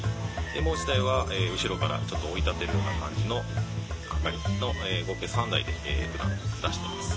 もう一台は後ろからちょっと追い立てるな感じの係の合計３台で車出してます。